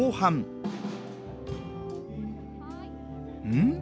うん？